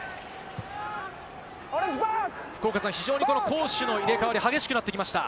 福岡さん、非常に攻守の入れ替わりが激しくなってきました。